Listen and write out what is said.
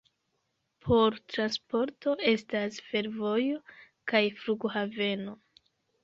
Por transporto estas fervojo kaj flughaveno.